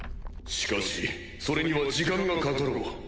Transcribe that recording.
しかしそれには時間がかかろう。